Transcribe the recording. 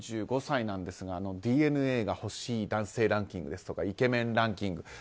４５歳なんですがＤＮＡが欲しい男性ランキングですとかイケメンランキング。